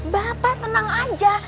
bapak tenang aja